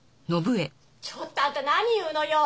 ちょっとあんた何言うのよ！